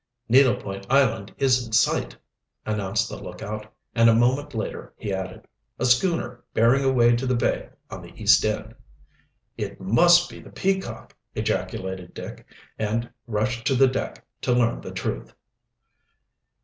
"Needle Point Island is in sight!" announced the lookout, and a moment later he added: "A schooner bearing away to the bay on the east end!" "It must be the Peacock!" ejaculated Dick, and rushed to the deck to learn the truth.